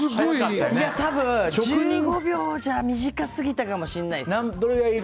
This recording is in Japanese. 多分１５秒じゃ短すぎたかもしれないっす。